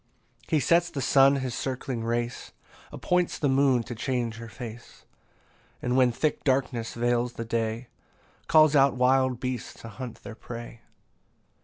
15 He sets the sun his circling race, Appoints the moon to change her face; And when thick darkness veils the day, Calls out wild beasts to hunt their prey.